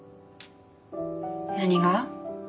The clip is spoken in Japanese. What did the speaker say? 何が？